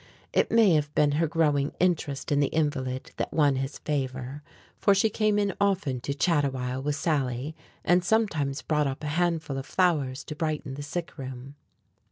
It may have been her growing interest in the invalid that won his favor, for she came in often to chat awhile with Sally and sometimes brought up a handful of flowers to brighten the sick room.